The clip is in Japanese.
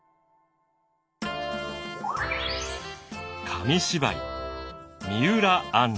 紙芝居「三浦按針」。